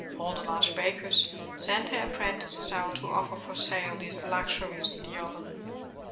All the large bakers sent their ap prentices out to offer for sale these luxuries of the oven.